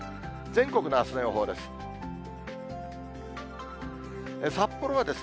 全国のあすの予報です。